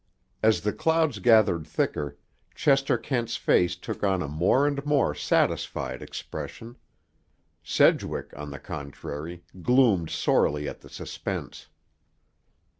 As the clouds gathered thicker, Chester Kent's face took on a more and more satisfied expression. Sedgwick, on the contrary, gloomed sorely at the suspense.